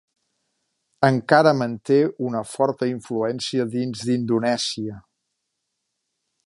Encara manté una forta influència dins d'Indonèsia.